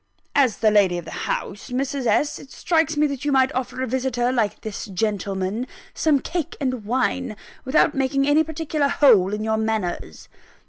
"As the lady of the house, Mrs. S., it strikes me that you might offer a visitor, like this gentleman, some cake and wine, without making any particular hole in your manners!"